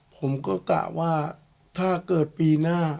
ผมก็กะว่าถ้าเกิดปีหน้า